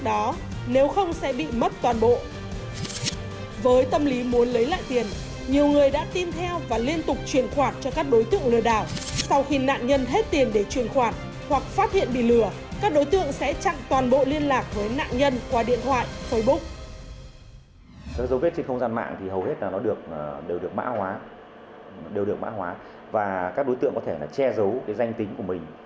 đều được mã hóa và các đối tượng có thể che giấu danh tính của mình